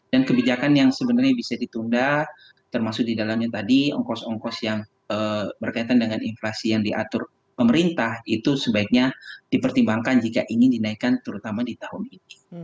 dan kebijakan yang sebenarnya bisa ditunda termasuk didalamnya tadi ongkos ongkos yang berkaitan dengan inflasi yang diatur pemerintah itu sebaiknya dipertimbangkan jika ingin dinaikkan terutama di tahun ini